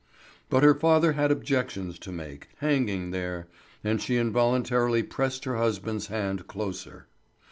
But her father had objections to make hanging there and she involuntarily pressed her husband's hand closer.